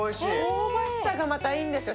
香ばしさがまたいいんですよ。